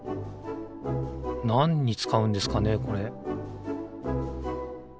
なんにつかうんですかねこれ？